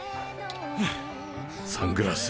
はぁサングラス。